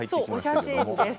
お写真です。